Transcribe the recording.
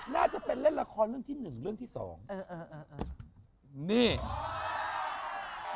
น่าจะเป็นเล่นละครเรื่องที่หนึ่งเรื่องที่สอง